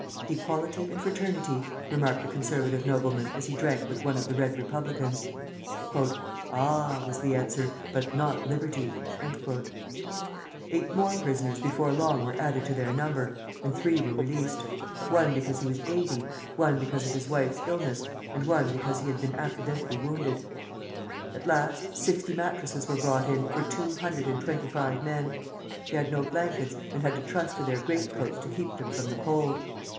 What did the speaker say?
"Equality and Fraternity!" remarked a conservative nobleman as he drank with one of the Red Republicans. "Ah," was the answer, "but not Liberty." Eight more prisoners before long were added to their number, and three were released, one because he was eighty, one because of his wife's illness, and one because he had been accidentally wounded. At last, sixty mattresses were brought in, for two hundred and twenty five men. They had no blankets, and had to trust to their great coats to keep them from the cold.